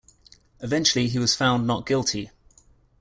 Eventually he was found not guilty.